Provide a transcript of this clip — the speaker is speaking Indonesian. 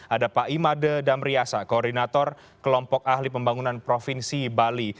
ada pak imade damriasa koordinator kelompok ahli pembangunan provinsi bali